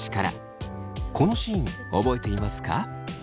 このシーン覚えていますか？